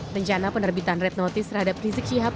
rencana penerbitan red notice terhadap rizik syihab